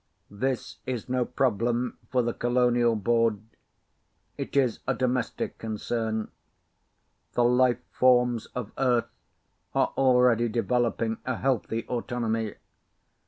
This is no problem for the Colonial Board. It is a domestic concern. The life forms of Earth are already developing a healthy autonomy.